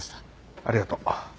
ありがとう。